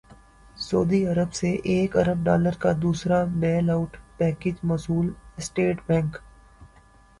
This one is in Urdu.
سعودی عرب سے ایک ارب ڈالر کا دوسرا بیل اٹ پیکج موصول اسٹیٹ بینک